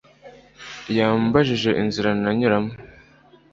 Yambajije inzira nanyuramo